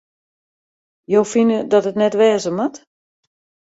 Jo fine dat it net wêze moat?